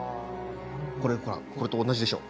これほらこれと同じでしょ？